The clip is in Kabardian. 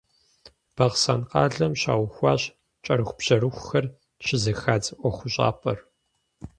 Бахъсэн къалэм щаухуащ кӏэрыхубжьэрыхухэр щызэхадз ӏуэхущӏапӏэр.